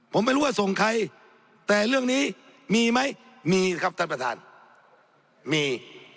ผมไม่รู้ว่าส่งใครแต่เรื่องนี้มีไหมมีครับท่านประธานมี